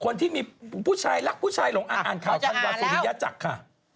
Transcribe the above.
คนที่มีผู้ชายรักผู้ชายหลงอ่านข่าวธันวาสุริยจักรค่ะ